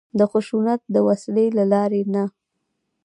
د خشونت د وسلې له لارې نه.